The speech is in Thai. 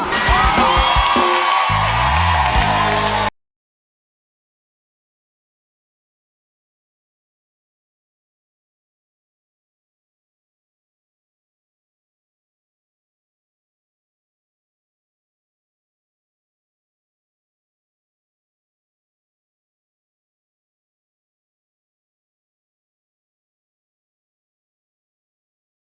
คือร้องดา